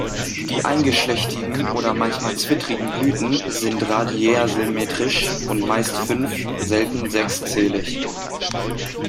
Die eingeschlechtigen oder manchmal zwittrigen Blüten sind radiärsymmetrisch und meist fünf-, selten sechszählig.